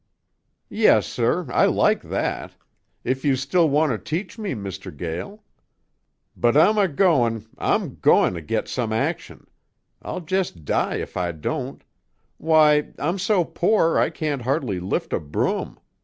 "Yes, sir. I like that. If you still want to teach me, Mr. Gael. But I'm a goin' I'm going to get some action. I'll just die if I don't. Why, I'm so poor I can't hardly lift a broom.